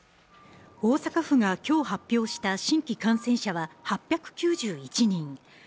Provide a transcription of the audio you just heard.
大阪府が今日発表した新規感染者は８９１人。